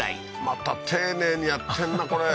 また丁寧にやってんな、これ。